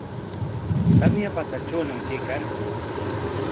Tamya patsatrawñam kaykanchik.